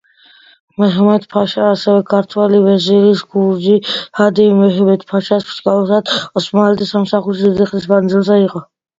მეჰმედ-ფაშა ასევე ქართველი ვეზირის, გურჯი ჰადიმ მეჰმედ-ფაშას მსგავსად, ოსმალეთის სამსახურში დიდი ხნის მანძილზე იყო.